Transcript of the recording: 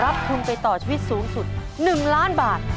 ทุนไปต่อชีวิตสูงสุด๑ล้านบาท